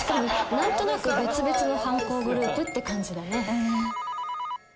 何となく別々の犯行グループって感じだね。